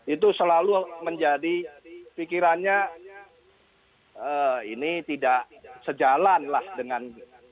itu selalu menjadi pikirannya ini tidak sejalan lah dengan